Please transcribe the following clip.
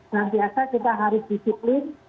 dan biasa kita harus disiplin